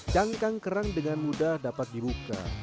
cangkang kerang dengan mudah dapat dibuka